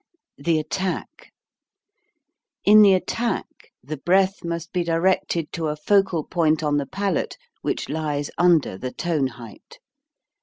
THE ATTACK In the attack the breath must be directed to a focal point on the palate which lies under the tone height.